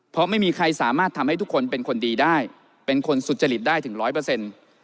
เพราะไม่มีใครสามารถทำให้ทุกคนเป็นคนดีได้เป็นคนสุจริตได้ถึง๑๐๐